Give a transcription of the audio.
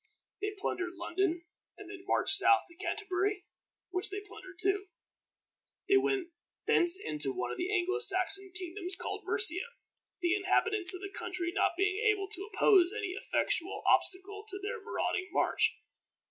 They plundered London, and then marched south to Canterbury, which they plundered too. They went thence into one of the Anglo Saxon kingdoms called Mercia, the inhabitants of the country not being able to oppose any effectual obstacle to their marauding march.